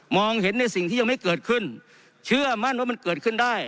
เห็นในสิ่งที่ยังไม่เกิดขึ้นเชื่อมั่นว่ามันเกิดขึ้นได้